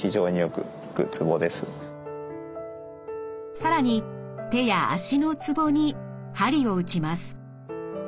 更に手や足のツボに鍼を打ちます。